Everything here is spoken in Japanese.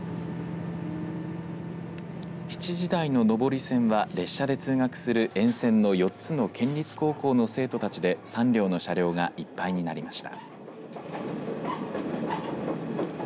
７時台の上り線は列車で通学する沿線の４つの県立高校の生徒たちで３両の車両がいっぱいになりました。